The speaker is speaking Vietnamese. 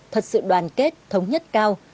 thật sự đoàn kết thống nhất cao